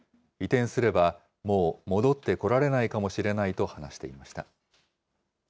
移転すれば、もう戻ってこられないかもしれないと話していました。